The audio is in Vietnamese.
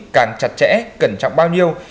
càng chặt chẽ cẩn trọng bao nhiêu